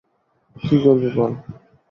কী করবি বল?